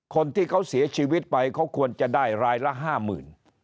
คนที่เขาเสียชีวิตไปเขาควรจะได้รายละห้าหมื่น